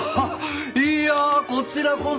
いやこちらこそ！